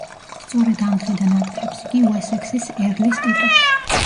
სწორედ ამ დღიდან ატარებს იგი უესექსის ერლის ტიტულს.